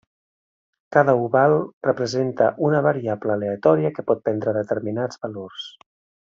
Cada oval representa una variable aleatòria que pot prendre determinats valors.